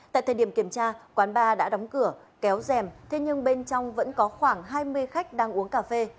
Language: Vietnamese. tại thời điểm kiểm tra quán bar đã đóng cửa kéo rèm thế nhưng bên trong vẫn có khoảng hai mươi khách đang uống cà phê